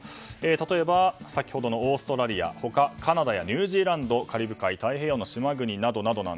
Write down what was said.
例えば、オーストラリア他カナダやニュージーランドカリブ海、太平洋の島国など。